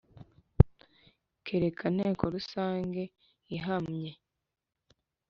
kerekana nteko rusange ihamye